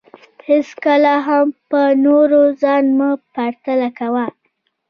هېڅکله هم په نورو ځان مه پرتله کوه